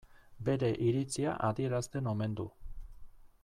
Bere iritzia adierazten omen du.